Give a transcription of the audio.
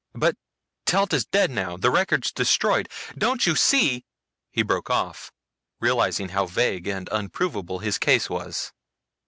But Telt is dead now, the records destroyed. Don't you see " He broke off, realizing how vague and unprovable his case was.